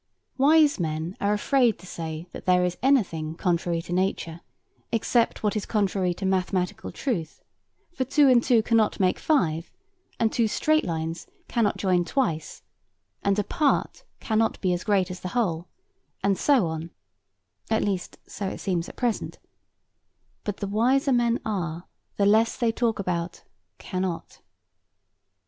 Wise men are afraid to say that there is anything contrary to nature, except what is contrary to mathematical truth; for two and two cannot make five, and two straight lines cannot join twice, and a part cannot be as great as the whole, and so on (at least, so it seems at present): but the wiser men are, the less they talk about "cannot."